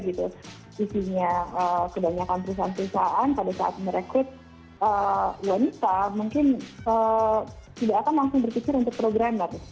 sisinya kebanyakan perusahaan perusahaan pada saat merekrut wanita mungkin tidak akan langsung berpikir untuk programmer